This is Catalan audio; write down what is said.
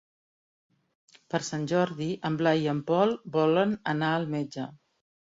Per Sant Jordi en Blai i en Pol volen anar al metge.